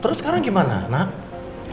terus sekarang gimana nak